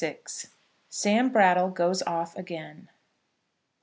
SAM BRATTLE GOES OFF AGAIN.